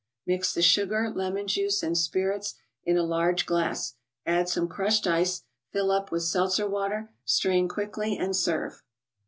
Mix the sugar, lemon juice and spirits in a large glass, add some crushed ice; fill up with seltzerwater ; strain quickly and serve.